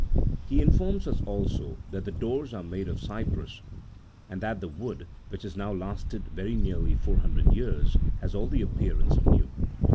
He informs us also, that the doors are made of cypress, and that the wood which has now lasted very nearly four hundred years, has all the appearance of new.